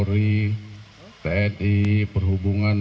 tni perhubungan permenatan dan kesehatan yang kota kata ini berlaku dalam tajamannya